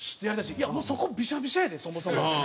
いやもうそこビシャビシャやでそもそも。